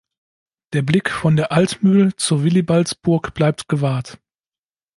Der Blick von der Altmühl zur Willibaldsburg bleibt gewahrt.